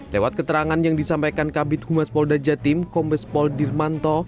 lewat keterangan yang disampaikan kabit humas polda jatim kombes pol dirmanto